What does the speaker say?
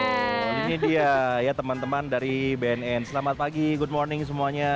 ini dia ya teman teman dari bnn selamat pagi good morning semuanya